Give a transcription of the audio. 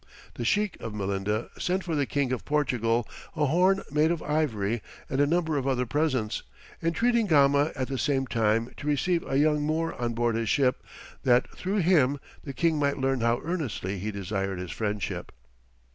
The Sheik of Melinda sent for the King of Portugal a horn made of ivory and a number of other presents, entreating Gama at the same time to receive a young Moor on board his ship, that through him the king might learn how earnestly he desired his friendship.